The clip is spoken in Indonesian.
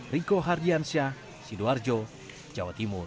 riko hardiansyah sidoarjo jawa timur